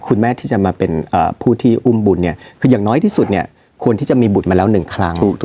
คุณแม่ที่จะมาเป็นผู้ที่อุ้มบุญเนี่ยคืออย่างน้อยที่สุดเนี่ยควรที่จะมีบุตรมาแล้วหนึ่งครั้ง